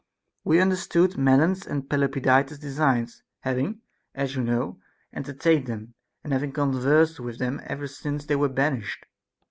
We understood Melon's and Pelopidas's designs, having (as you know) entertained them, and having con versed with them ever since they were banished.